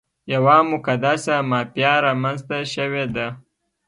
یوه مقدسه مافیا رامنځته شوې ده.